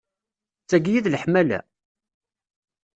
D taki i d leḥmala?